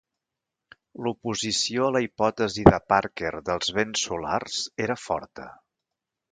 L'oposició a la hipòtesi de Parker dels vents solars era forta.